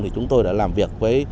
thì chúng tôi đã làm việc với